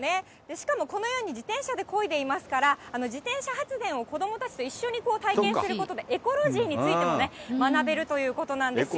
しかもこのように、自転車でこいでいますから、自転車発電を子どもたちと一緒に体験することで、エコロジーについても学べるということなんですよ。